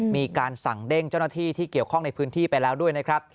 มีการสั่งเด้งเจ้าหน้าที่ที่เกี่ยวข้องในพื้นที่ไปแล้วด้วยนะครับ